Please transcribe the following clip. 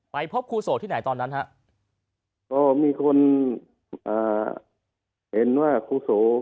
ไปพบครูโสที่ไหนตอนนั้นฮะก็มีคนอ่าเห็นว่าครูโส